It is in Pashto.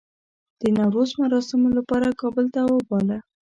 د نوروز مراسمو لپاره کابل ته وباله.